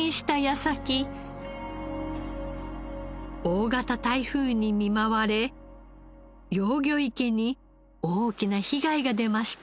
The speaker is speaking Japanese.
大型台風に見舞われ養魚池に大きな被害が出ました。